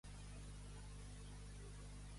Al fi, al fi.